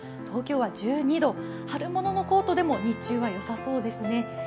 東京は１２度、春物のコートでも日中はよさそうですね。